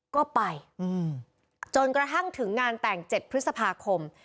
ก็ไปจนกระทั่งถึงงานแต่ง๗พฤษภาคม